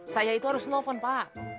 saya itu harus nelfon pak